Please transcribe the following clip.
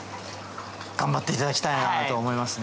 頑張っていただきたいなと思いますね。